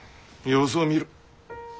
様子を見る。